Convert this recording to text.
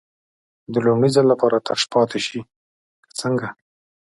د لومړي ځل لپاره تش پاتې شي که څنګه.